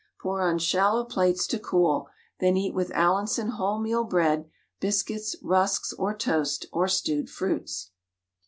Pour on shallow plates to cool, then eat with Allinson wholemeal bread, biscuits, rusks, or toast, or stewed fruits.